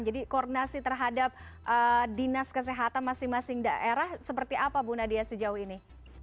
jadi koordinasi terhadap dinas kesehatan masing masing daerah seperti apa bu nadia sejauh ini